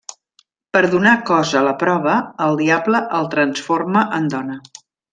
Per donar cos a la prova, el Diable el transforma en dona…